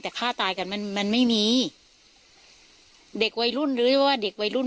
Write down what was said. แต่ฆ่าตายกันมันมันไม่มีเด็กวัยรุ่นหรือว่าเด็กวัยรุ่น